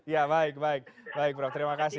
ya baik baik baik prof terima kasih